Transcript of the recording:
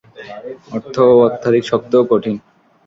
অর্থ ও অত্যধিক শক্ত ও কঠিন।